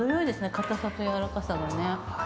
硬さとやわらかさがね。